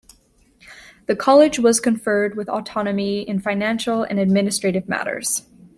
The college was conferred with autonomy in financial and administrative matters.